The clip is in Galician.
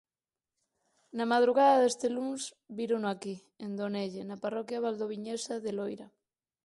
Na madrugada deste luns vírono aquí, en Donelle, na parroquia valdoviñesa de Loira.